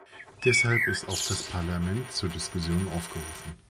Deshalb ist auch das Parlament zur Diskussion aufgerufen.